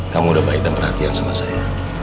kamu udah baik dan perhatian sama saya